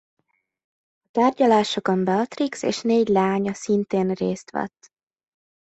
A tárgyalásokon Beatrix és négy leánya szintén részt vett.